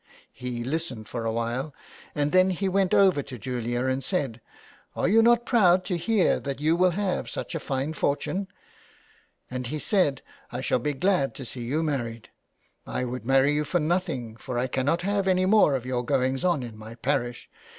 He listened for a while, and then he went over to Julia and said, * Are you not proud to hear that you will have such a fine fortune ?' And he said, ' I shall be glad to see you married. I would marry you for nothing, for I cannot have any more of your goings on in my parish.